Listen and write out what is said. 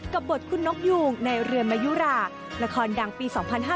บทคุณนกยูงในเรือนมายุราละครดังปี๒๕๕๙